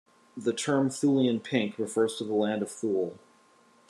The term "Thulian pink" refers to the land of Thule.